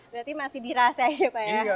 berarti masih dirahasiain juga ya